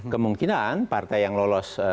kemungkinan partai yang lolos